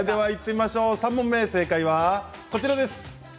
３問目正解はこちらです。